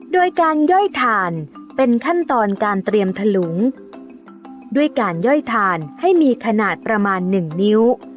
โดยการย่อยถ่านเป็นขั้นตอนการเตรียมถลุงด้วยการย่อยถ่านให้มีขนาดประมาณหนึ่งนิ้ว